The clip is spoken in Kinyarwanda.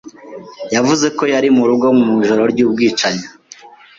yavuze ko yari mu rugo mu ijoro ry’ubwicanyi.